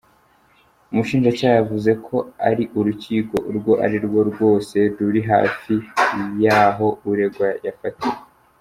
Umushinjacyaha yavuze ko ari "urukiko urwo arirwo rwose ruri hafi y’aho uregwa yafatiwe".